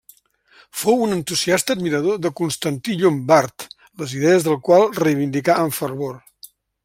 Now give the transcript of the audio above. Fou un entusiasta admirador de Constantí Llombart, les idees del qual reivindicà amb fervor.